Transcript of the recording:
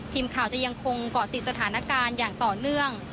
ทีมข่าวจะยังคงเกาะติดสถานการณ์อย่างต่อเนื่อง